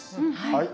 はい。